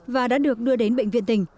và đã được đưa đến bệnh viện tình